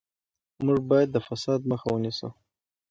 موږ باید د فساد مخه ونیسو.